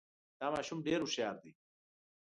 دا ماشوم ډېر هوښیار دی